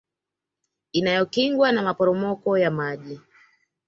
Inayokingwa na maporomoko ya maji